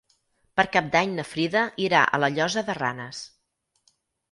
Per Cap d'Any na Frida irà a la Llosa de Ranes.